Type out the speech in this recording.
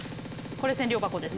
これ千両箱です。